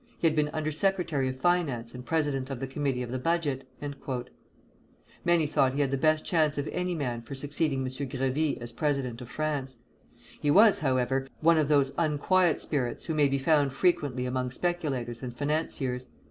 He had been Under Secretary of Finance and President of the Committee of the Budget." Many thought he had the best chance of any man for succeeding M. Grévy as president of France. He was, however, one of those unquiet spirits who may be found frequently among speculators and financiers.